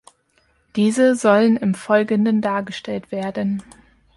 Diese sollen im Folgenden dargestellt werden.